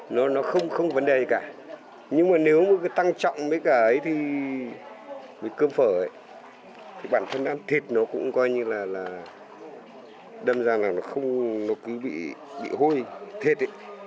nó không có vấn đề gì cả nhưng mà nếu mà tăng trọng với cơm phở thì bản thân ăn thịt nó cũng coi như là đâm ra là nó cũng bị hôi thịt